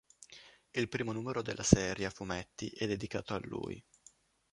Il primo numero della serie a fumetti è dedicato a lui.